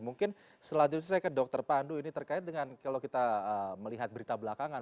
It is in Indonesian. mungkin selanjutnya saya ke dokter pandu ini terkait dengan kalau kita melihat berita belakangan